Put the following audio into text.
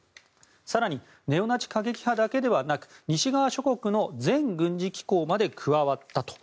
更にネオナチ過激派だけではなく西側諸国の全軍事機構まで加わったと。